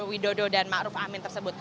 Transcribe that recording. jokowi dodo dan ma'ruf amin tersebut